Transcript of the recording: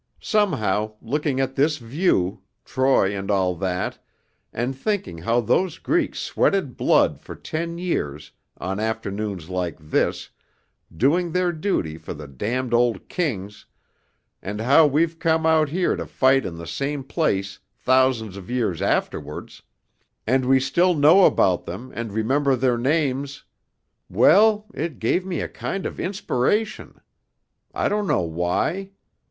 Somehow, looking at this view Troy and all that and thinking how those Greeks sweated blood for ten years on afternoons like this, doing their duty for the damned old kings, and how we've come out here to fight in the same place thousands of years afterwards, and we still know about them and remember their names well, it gave me a kind of inspiration; I don't know why.